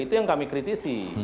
itu yang kami kritisi